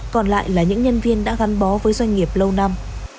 còn lại là những nhân viên đã gắn bó với doanh nghiệp lâu năm